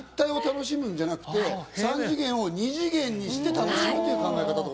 立体を楽しむんじゃなくて、三次元を二次元にして楽しむという考え方。